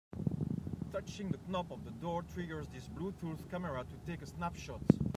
Touching the knob of the door triggers this Bluetooth camera to take a snapshot.